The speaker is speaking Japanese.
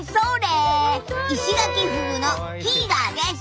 イシガキフグのキィガーです！